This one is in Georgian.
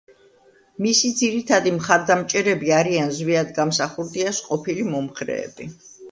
მისი ძირითადი მხარდამჭერები არიან ზვიად გამსახურდიას ყოფილი მომხრეები.